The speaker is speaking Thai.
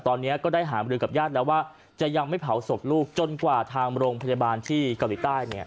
ตอนนี้ก็ได้หามรือกับญาติแล้วว่าจะยังไม่เผาศพลูกจนกว่าทางโรงพยาบาลที่เกาหลีใต้เนี่ย